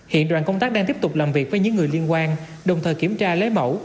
hiện đoàn công tác đang tiếp tục làm việc với những người liên quan đồng thời kiểm tra lấy mẫu